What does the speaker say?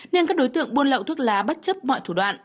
nên các đối tượng buôn lậu thuốc lá bất chấp mọi thủ đoạn